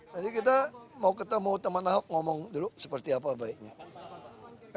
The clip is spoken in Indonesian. jadi kita mau ketemu teman ahok ngomong dulu seperti apa baiknya